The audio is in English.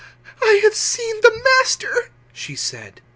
"I have seen the Master," she said.